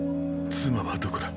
妻はどこだ。